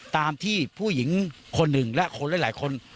ตามที่ผู้หญิงคนหนึ่งและคนหลายคน